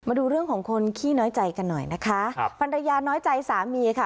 มาดูเรื่องของคนขี้น้อยใจกันหน่อยนะคะครับภรรยาน้อยใจสามีค่ะ